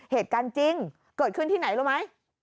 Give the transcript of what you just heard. เหตุการณ์จริงเกิดขึ้นที่ไหนรู้ไหม